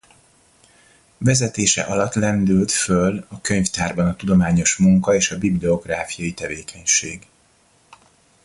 Vezetése alatt lendült föl a könyvtárban a tudományos munka és a bibliográfiai tevékenység.